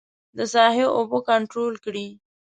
د ساحې اوبه کنترول کړي.